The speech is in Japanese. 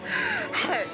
はい。